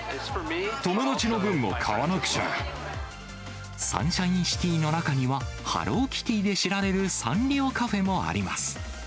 友達の分もサンシャインシティの中にはハローキティで知られるサンリオカフェもあります。